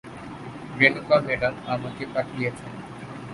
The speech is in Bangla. রেনুকা ম্যাডাম আমাকে পাঠিয়েছেন।